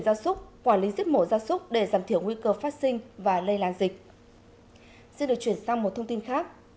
gia súc quản lý giết mổ gia súc để giảm thiểu nguy cơ phát sinh và lây lan dịch